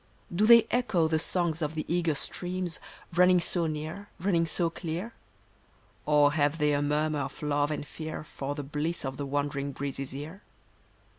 Do they echo the songs of the eager streams, Running so near, running so clear ? Or have they a murmur of love and fear For the bliss of the wandering breeze's ear